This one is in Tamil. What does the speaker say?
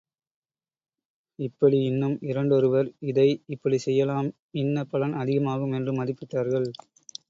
இப்படி, இன்னும் இரண்டொருவர், இதை இப்படிச் செய்யலாம் இன்ன பலன் அதிகமாகும் என்று மதிப்பிட்டார்கள்.